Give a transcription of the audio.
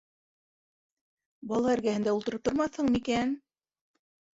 Бала эргәһендә ултырып тормаҫһың микән?